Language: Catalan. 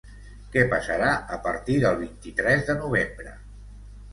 Què passarà a partir del vint-i-tres de novembre?